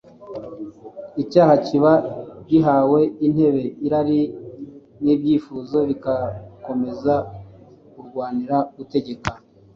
icyaha kiba gihawe intebe, irari n’ibyifuzo bigakomeza kurwanira gutegeka